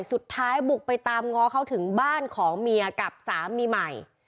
สุดท้ายบุกไปตามง้อเขาถึงบ้านของเมียกับสามีใหม่